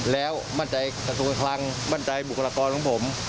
แล้วมั่นใจกระทรวงคลังมั่นใจบุคลากรของผม